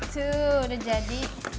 tuh udah jadi